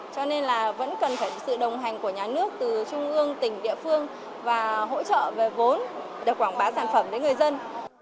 cho nên là vẫn cần phải sự đồng hành của nhà nước từ trung ương tỉnh địa phương và hỗ trợ về vốn để quảng bá sản phẩm đến người dân